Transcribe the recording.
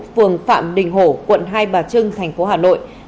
phường phạm đình hổ quận hai bà trưng thành phố hà nội